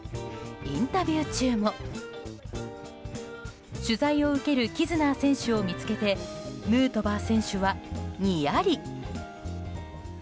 インタビュー中も取材を受けるキズナー選手を見つけてヌートバー選手は、ニヤリ。